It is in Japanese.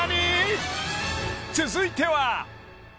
［続いては］